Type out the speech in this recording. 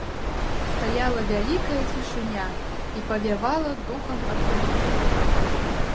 Стаяла вялікая цішыня, і павявала духам адзіноты.